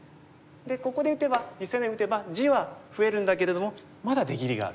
ここで打てば実戦のように打てば地は増えるんだけれどもまだ出切りがある。